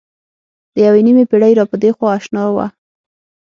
د یوې نیمې پېړۍ را پدېخوا اشنا وه.